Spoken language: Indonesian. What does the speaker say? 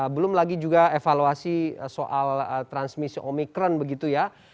belum lagi juga evaluasi soal transmisi omikron begitu ya